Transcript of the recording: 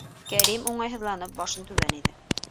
Кәрим, уңайһыҙланып, башын түбән эйҙе.